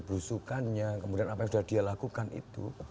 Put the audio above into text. berusukannya kemudian apa yang sudah dia lakukan itu